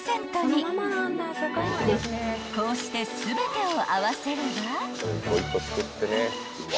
［こうして全てを合わせれば］